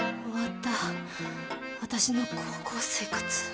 終わった私の高校生活。